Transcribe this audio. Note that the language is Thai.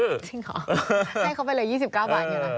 จริงหรอให้เขาไปเลย๒๙บาทอย่างนี้หรอ